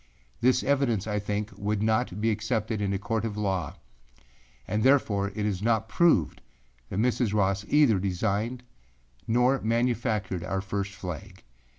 This evidence, I think, would not be accepted in a court of law, and therefore it is not proved that Mrs. Ross either designed or manufactured our first flag.